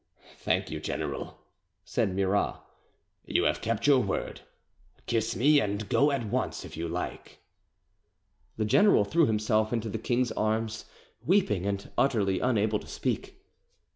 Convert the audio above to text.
"Thank you, general," said Murat. "You have kept your word. Kiss me, and go at once, if you like." The general threw himself into the king's arms, weeping, and utterly unable to speak.